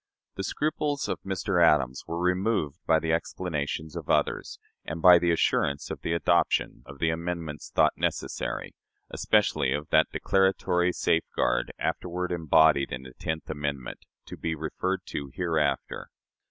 The scruples of Mr. Adams were removed by the explanations of others, and by the assurance of the adoption of the amendments thought necessary especially of that declaratory safeguard afterward embodied in the tenth amendment to be referred to hereafter.